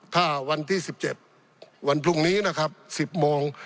ถ้าวันที่๑๗วันพรุ่งนี้นะครับ๑๐โมง